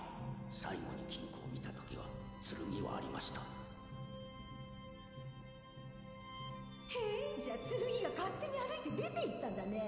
最後に金庫を見た時は剣はありましたへえじゃあ剣が勝手に歩いて出ていったんだね